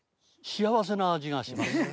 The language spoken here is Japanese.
幸せな味がします。